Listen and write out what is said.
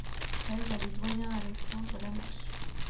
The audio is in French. treize allée Doyen Alexandre Lamache